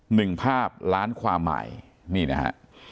หนึ่งภาพล้านความหมายนี่นะฮะ